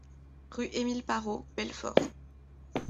Rue Émile Parrot, Belfort